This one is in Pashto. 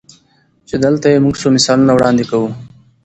چې دلته ئې مونږ څو مثالونه وړاندې کوو-